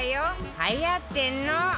はやってんの！